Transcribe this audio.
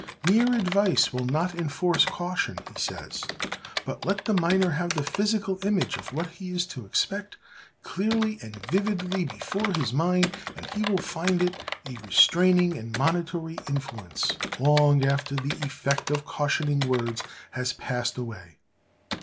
'Mere advice will not enforce caution,' he says; 'but let the miner have the physical image of what he is to expect clearly and vividly before his mind, and he will find it a restraining and monitory influence long after the effect of cautioning words has passed away.